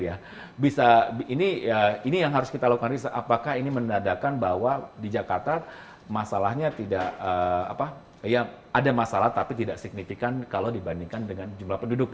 ini yang harus kita lakukan apakah ini mendadakan bahwa di jakarta ada masalah tapi tidak signifikan kalau dibandingkan dengan jumlah penduduk